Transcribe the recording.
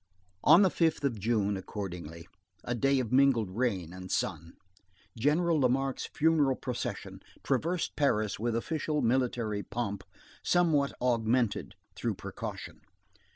On the 5th of June, accordingly, a day of mingled rain and sun, General Lamarque's funeral procession traversed Paris with official military pomp, somewhat augmented through precaution.